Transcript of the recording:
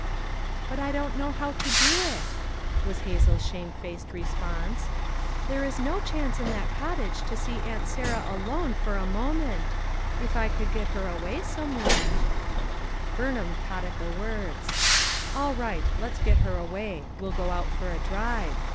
"But I don't know how to do it," was Hazel's shamefaced response. "There is no chance in that cottage to see Aunt Sarah alone for a mo ment. If I could get her away somewhere." FOUE MOTHERS AT CHAUTAUQUA 377 Burnham caught at the words. "All right, let's get her away; we'll go out for a drive.